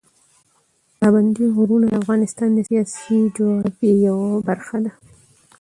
پابندي غرونه د افغانستان د سیاسي جغرافیه یوه برخه ده.